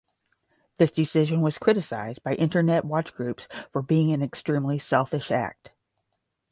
This decision was criticized by internet watch groups for being an extremely selfish act.